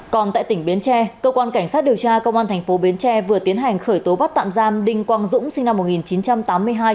còn tại tỉnh bến tre cơ quan cảnh sát điều tra công an thành phố bến tre vừa tiến hành khởi tố bắt tạm giam đinh quang dũng sinh năm một nghìn chín trăm tám mươi hai